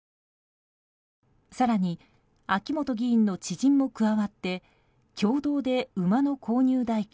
更に、秋本議員の知人も加わって共同で馬の購入代金